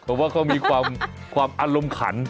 ผมว่าเขามีความอารมณ์ขัน